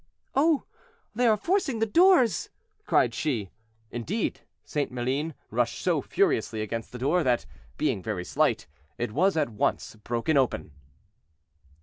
"Oh! they are forcing the doors," cried she. Indeed, St. Maline rushed so furiously against the door, that, being very slight, it was at once broken open.